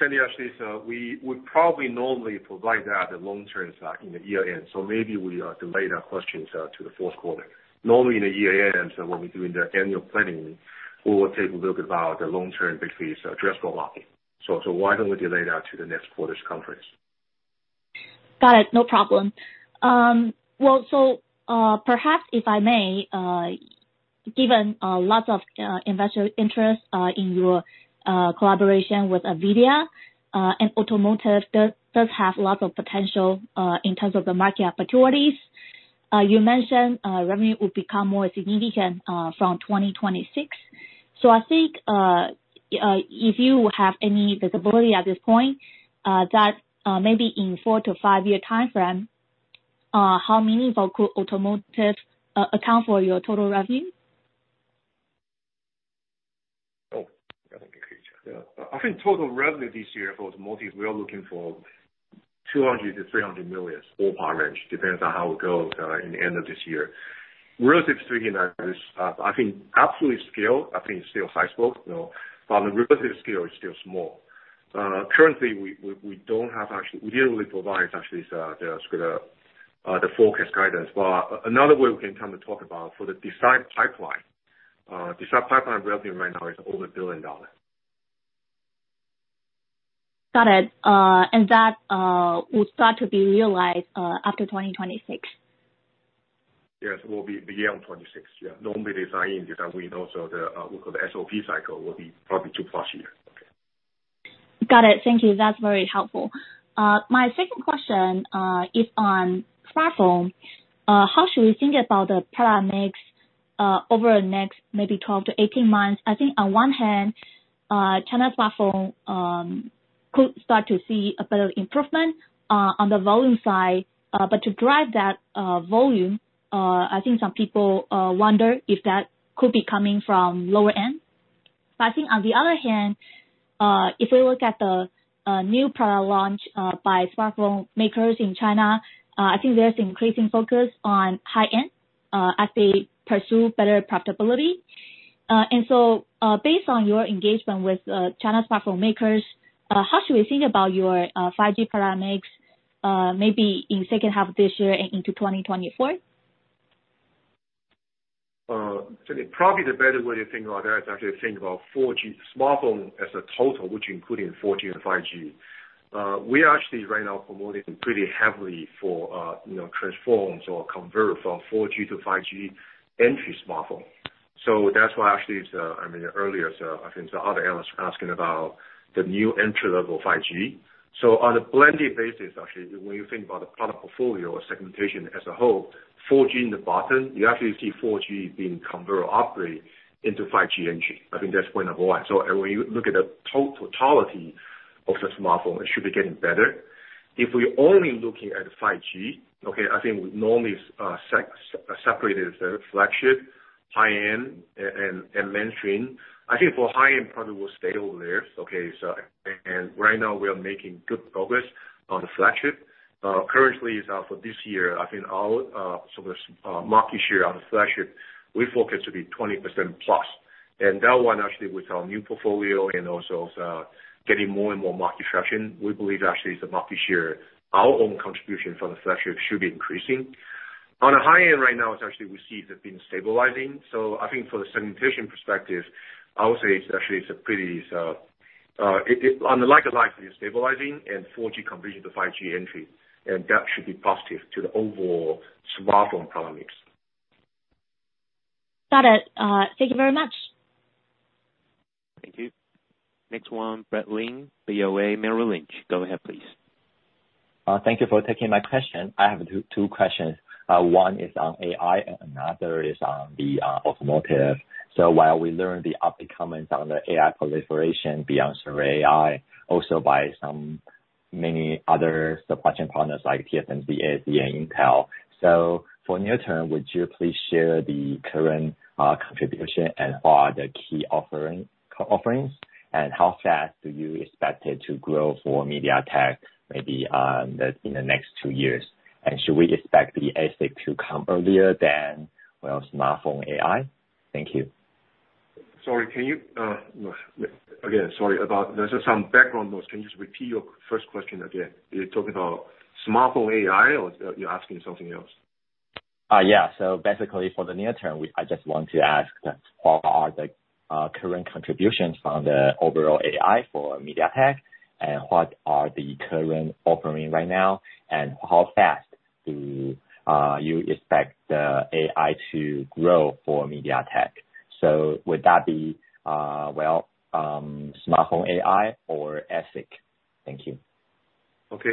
Sunny, actually, we would probably normally provide that long-term stock in the year end. Maybe we delay that question to the fourth quarter. Normally, in the year end, when we're doing the annual planning, we will take a look about the long-term basically addressable market. Why don't we delay that to the next quarter's conference? Let's apply these to the original text: "Got it. No problem. Um, well, so, uh, perhaps if I may, uh, given, uh, lots of, uh, investor interest, uh, in your, uh, collaboration with NVIDIA, uh, and automotive does, does have lots of potential, uh, in terms of the market opportunities. Uh, you mentioned, uh, revenue will become more significant, uh, from 2026. So I think, uh, uh, if you have any visibility at this point, that maybe in 4-5 year time frame, how many automotive account for your total revenue? Oh, let me get you. Yeah. I think total revenue this year for automotive, we are looking for $200 million-$300 million, ballpark range, depends on how it goes in the end of this year. Relatively speaking, as I think absolute scale, I think it's still high growth, you know, but the relative scale is still small. Currently, we, we, we don't have actually, we didn't really provide actually the, the forecast guidance. Another way we can kind of talk about for the design pipeline, design pipeline revenue right now is over $1 billion. Got it. That would start to be realized, after 2026? Yes, it will be beyond 2026. Yeah. Normally, design, as we know, so the, we call the SOP cycle will be probably 2+ years. Okay. Got it. Thank you. That's very helpful. My second question is on platform. How should we think about the product mix over the next maybe 12 to 18 months? I think on one hand, China platform could start to see a better improvement on the volume side. To drive that volume, I think some people wonder if that could be coming from lower end. I think on the other hand, if we look at the new product launch by smartphone makers in China, I think there's increasing focus on high end as they pursue better profitability. Based on your engagement with China's smartphone makers, how should we think about your 5G product mix maybe in second half of this year and into 2024? Probably the better way to think about that is actually think about 4G smartphone as a total, which including 4G and 5G. We are actually right now promoting pretty heavily for, you know, transforms or convert from 4G to 5G entry smartphone. That's why actually, I mean, earlier, I think the other analysts were asking about the new entry-level 5G. On a blended basis, actually, when you think about the product portfolio or segmentation as a whole, 4G in the bottom, you actually see 4G being converted operate into 5G entry. I think that's point number one. When you look at the totality of the smartphone, it should be getting better. If we're only looking at 5G, okay, I think we normally separate it as flagship, high end, and mainstream. I think for high end, probably will stay over there. Okay, right now, we are making good progress on the flagship. Currently, for this year, I think our market share on the flagship, we forecast to be 20%+. That one, actually, with our new portfolio and also getting more and more market traction, we believe actually the market share, our own contribution from the flagship should be increasing. On the high end right now, it's actually we see that being stabilizing. I think for the segmentation perspective, I would say it's actually it's a pretty stabilizing, and 4G conversion to 5G entry, that should be positive to the overall smartphone product mix. Got it. Thank you very much. Thank you. Next one, Brett Ling, BOA, Merrill Lynch. Go ahead, please. Thank you for taking my question. I have two questions. One is on AI and another is on the automotive. While we learn the upcoming on the AI proliferation beyond server AI, also by many other supply chain partners like TSMC, AMD and Intel. For near term, would you please share the current contribution and what are the key offering, offerings, and how fast do you expect it to grow for MediaTek, maybe, on the in the next two years? Should we expect the ASIC to come earlier than, well, smartphone AI? Thank you. Sorry, can you, no. Again, sorry, there's some background noise. Can you just repeat your first question again? You're talking about smartphone AI, or you're asking something else? Yeah. Basically, for the near term, we, I just want to ask that what are the current contributions from the overall AI for MediaTek? What are the current offering right now? How fast do you expect the AI to grow for MediaTek? Would that be, well, smartphone AI or ASIC? Thank you. Okay.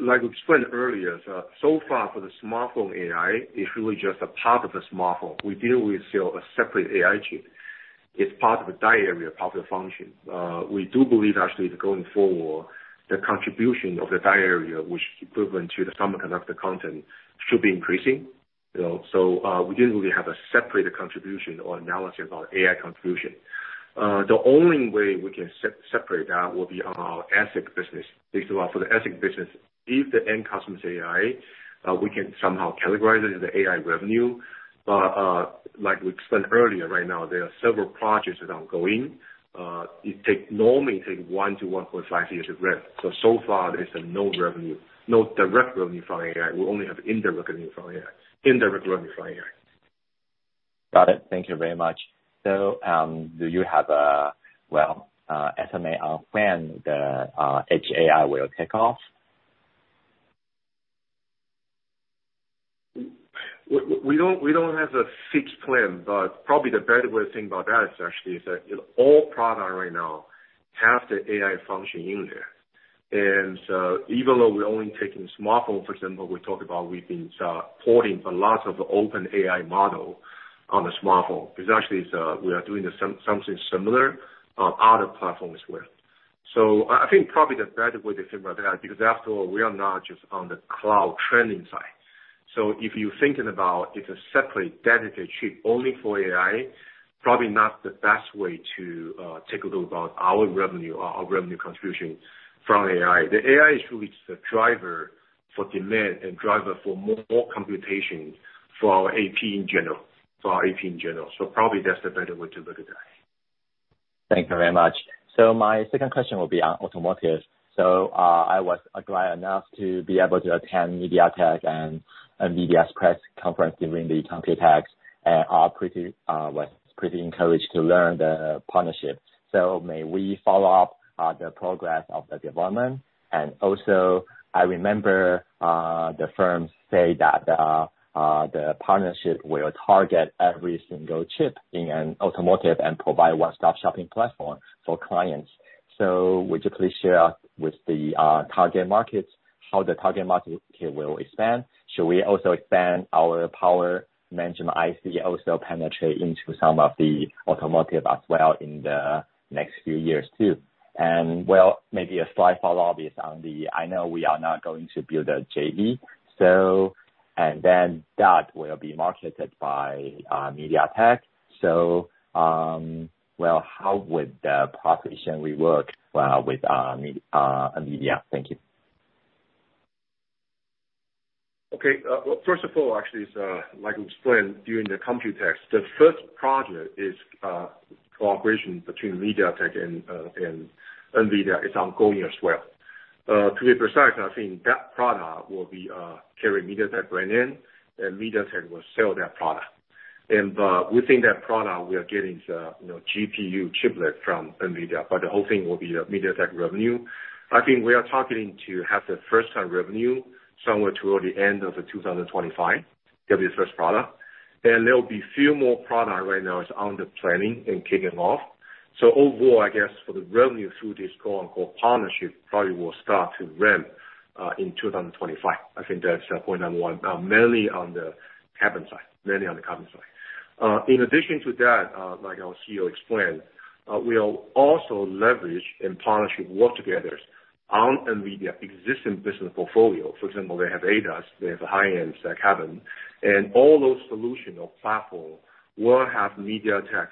Like we explained earlier, so far for the smartphone AI, it's really just a part of the smartphone. We deal with still a separate AI chip. It's part of the die area, part of the function. We do believe actually that going forward, the contribution of the die area, which equivalent to the semiconductor content, should be increasing. You know, we didn't really have a separate contribution or analysis on AI contribution. The only way we can separate that will be on our ASIC business. Basically, for the ASIC business, if the end customer is AI, we can somehow categorize it as the AI revenue. Like we explained earlier, right now, there are several projects that are ongoing. Normally take 1-1.5 years to ramp. So far there's no revenue, no direct revenue from AI. We only have indirect revenue from AI, indirect revenue from AI. Got it. Thank you very much. Do you have a, well, estimate on when the AI will kick off? We don't, we don't have a fixed plan, but probably the better way of thinking about that is actually is that, you know, all product right now have the AI function in there. Even though we're only taking smartphone, for example, we talked about, we've been porting a lot of open AI model on the smartphone. Because actually it's, we are doing something similar on other platforms as well. I think probably the better way to think about that, because after all, we are not just on the cloud trending side. If you're thinking about it's a separate dedicated chip only for AI, probably not the best way to take a look about our revenue or our revenue contribution from AI. The AI is really the driver for demand and driver for more computation for our AP in general, for our AP in general. Probably that's the better way to look at that. Thank you very much. My second question will be on automotive. I was glad enough to be able to attend MediaTek and NVIDIA's press conference during the Computex, and I pretty was pretty encouraged to learn the partnership. May we follow up the progress of the development? Also, I remember the firm say that the partnership will target every single chip in an automotive and provide one-stop shopping platform for clients. Would you please share with the target markets, how the target market will expand? Should we also expand our power management IC, also penetrate into some of the automotive as well in the next few years, too? Well, maybe a slight follow-up is on the I know we are not going to build a JV, so and then that will be marketed by MediaTek. Well, how would the partnership rework with MediaTek and NVIDIA? Thank you. Okay. Well, first of all, actually, it's like we explained during the Computex, the first project is cooperation between MediaTek and NVIDIA. It's ongoing as well. To be precise, I think that product will be carry MediaTek brand name, and MediaTek will sell that product. But within that product, we are getting, you know, GPU chiplet from NVIDIA, but the whole thing will be MediaTek revenue. I think we are targeting to have the first time revenue somewhere toward the end of 2025, give the first product. There will be few more product right now is on the planning and kicking off. Overall, I guess for the revenue through this quote, unquote, partnership, probably will start to ramp in 2025. I think that's the point number one, mainly on the cabin side. Mainly on the cabin side. In addition to that, like our CEO explained, we'll also leverage and partnership work together on NVIDIA existing business portfolio. For example, they have ADAS, they have a high-end stack cabin, and all those solution or platform will have MediaTek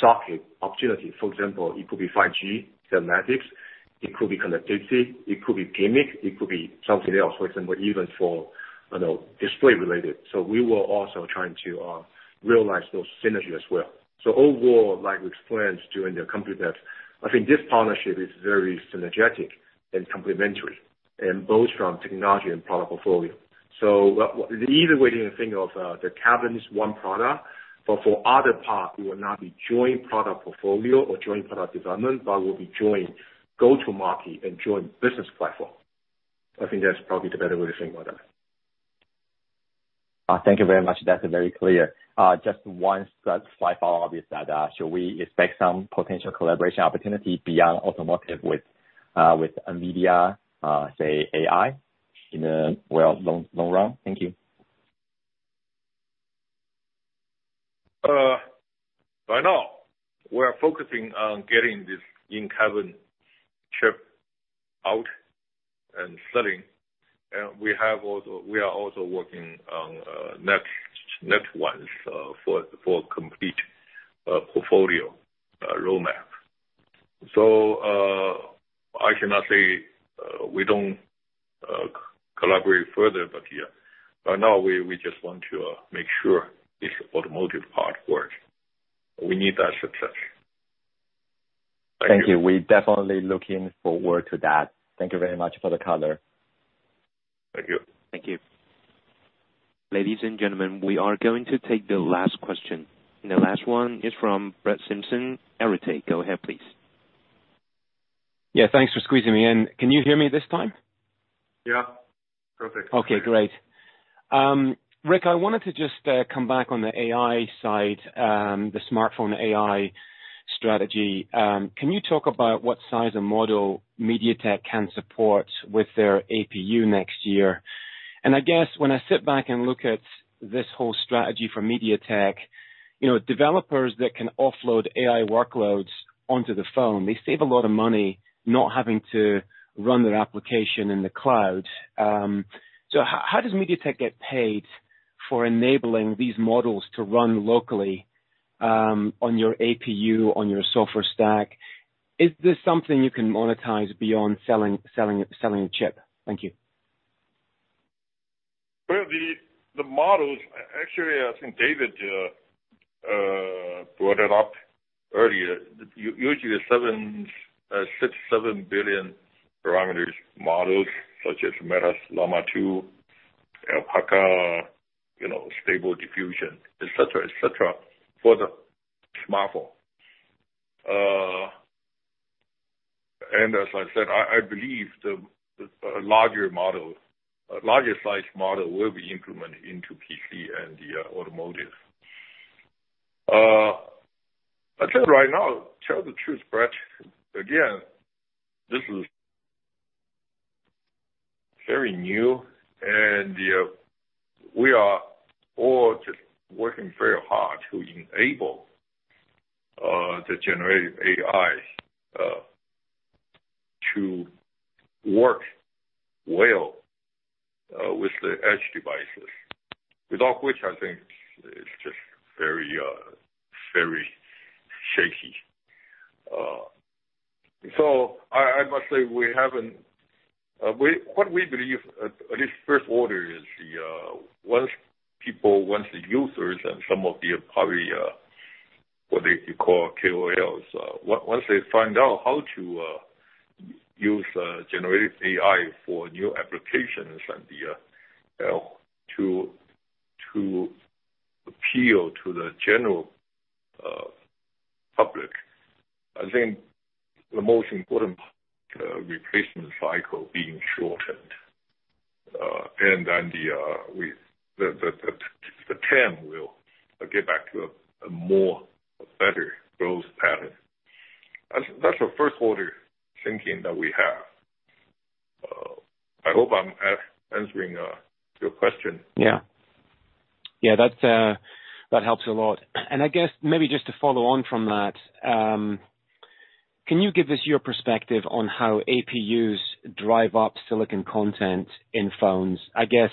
socket opportunity. For example, it could be 5G, telematics, it could be connectivity, it could be gaming, it could be something else. For example, even for, you know, display related. We will also trying to realize those synergy as well. Overall, like we explained during the Computex, I think this partnership is very synergetic and complementary, and both from technology and product portfolio. Either way, you can think of the cabin as one product, but for other part, it will not be joint product portfolio or joint product development, but will be joint go-to-market and joint business platform. I think that's probably the better way to think about that. Thank you very much. That's very clear. Just one slight follow-up is that, should we expect some potential collaboration opportunity beyond automotive with NVIDIA, say AI in the well, long, long run? Thank you. Why not? We are focusing on getting this in-cabin chip out and selling. We have also, we are also working on, next, next ones, for, for complete, portfolio, roadmap. I cannot say, we don't, collaborate further. Yeah. Right now, we, we just want to make sure this automotive part work. We need that success. Thank you. We're definitely looking forward to that. Thank you very much for the color. Thank you. Thank you. Ladies and gentlemen, we are going to take the last question. The last one is from Brett Simpson, Arete Research. Go ahead, please. Yeah, thanks for squeezing me in. Can you hear this time? Yeah, perfect. Okay, great. Rick, I wanted to just come back on the AI side, the smartphone AI strategy. Can you talk about what size and model MediaTek can support with their APU next year? I guess when I sit back and look at this whole strategy for MediaTek, you know, developers that can offload AI workloads onto the phone, they save a lot of money not having to run their application in the cloud. So how, how does MediaTek get paid for enabling these models to run locally, on your APU, on your software stack? Is this something you can monetize beyond selling, selling, selling a chip? Thank you. Well, the models, actually, I think David brought it up earlier. Usually the seven, six, seven billion parameters models such as Meta's Llama 2, Alpaca, you know, Stable Diffusion, et cetera, et cetera, for the smartphone. As I said, I believe a larger model, a larger size model will be implemented into PC and the automotive. I'll tell you right now, tell the truth, Brett, again, this is very new, and we are all just working very hard to enable the Generative AI to work well with the edge devices, without which I think it's just very shaky. So I, I must say, we haven't. What we believe, at, at least first order, is the once people, once the users and some of the probably what they call KOLs, once they find out how to use generative AI for new applications and the to, to appeal to the general public, I think the most important replacement cycle being shortened. Then the, we, the, the, the, TAM will get back to a, a more better growth pattern. That's, that's the first order thinking that we have. I hope I'm answering your question. Yeah. Yeah, that, that helps a lot. I guess maybe just to follow on from that, can you give us your perspective on how APUs drive up silicon content in phones? I guess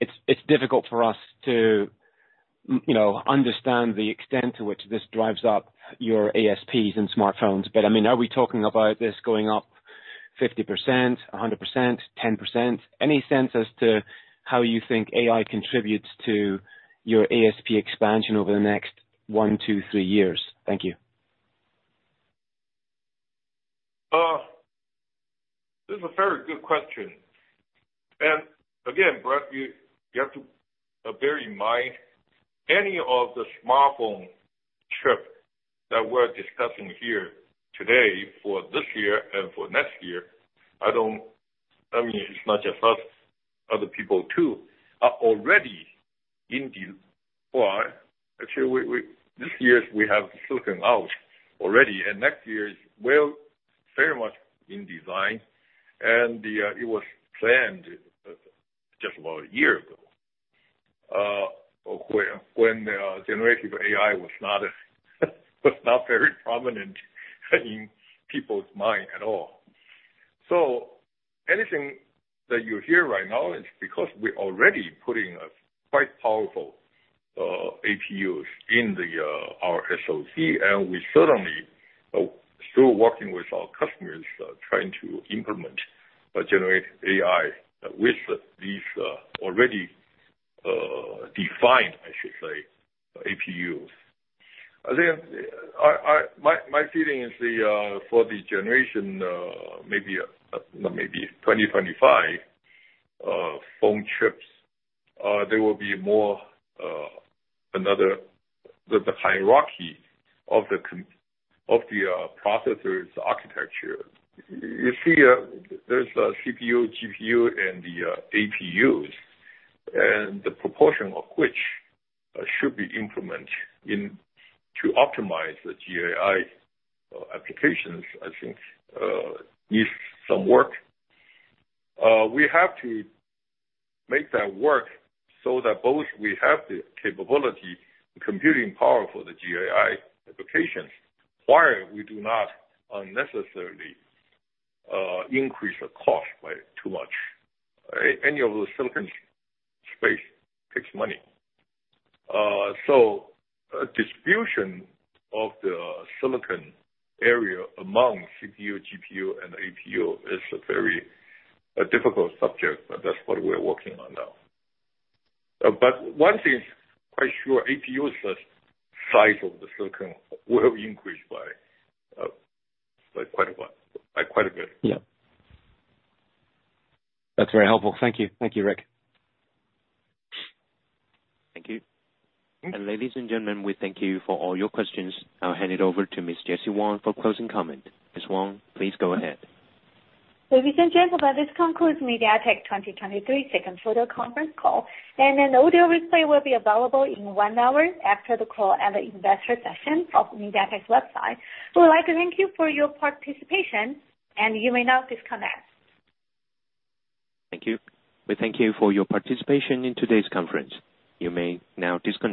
it's, it's difficult for us to, you know, understand the extent to which this drives up your ASPs in smartphones, but, I mean, are we talking about this going up 50%, 100%, 10%? Any sense as to how you think AI contributes to your ASP expansion over the next one, two, three years? Thank you. This is a very good question. Again, Brett, you, you have to bear in mind any of the smartphone chip that we're discussing here today for this year and for next year, I don't... I mean, it's not just us, other people too, are already in the. Actually, we, we, this year we have silicon out already, and next year is well, very much in design. It was planned just about a year ago, when, when the Generative AI was not, was not very prominent in people's mind at all. Anything that you hear right now is because we're already putting a quite powerful APUs in the our SoC, and we certainly are still working with our customers, trying to implement Generative AI with these already defined, I should say, APUs. I think I, I, my, my feeling is the for the generation, maybe 2025 phone chips, there will be more another hierarchy of the processors architecture. You see, there's a CPU, GPU, and the APUs, and the proportion of which should be implemented in to optimize the GAI applications, I think, needs some work. We have to make that work so that both we have the capability, the computing power for the GAI applications, while we do not unnecessarily increase the cost by too much. Any of those silicon space takes money. Distribution of the silicon area among CPU, GPU, and APU is a very difficult subject, but that's what we're working on now. One thing is quite sure, APU size of the silicon will increase by quite a lot, by quite a bit. Yeah. That's very helpful. Thank you. Thank you, Rick. Thank you. Ladies and gentlemen, we thank you for all your questions. I'll hand it over to Miss Jessie Wang for closing comment. Miss Wang, please go ahead. Ladies and gentlemen, this concludes MediaTek 2023 second quarter conference call, and an audio replay will be available in 1 hour after the call at the investor session of MediaTek's website. We would like to thank you for your participation, and you may now disconnect. Thank you. We thank you for your participation in today's conference. You may now disconnect.